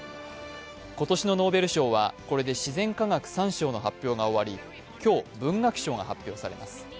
今年のノーベル賞は、これで自然科学３賞の発表が終わり今日、文学賞が発表されます。